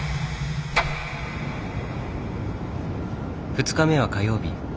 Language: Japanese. ２日目は火曜日。